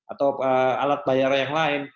atau alat bayar yang lain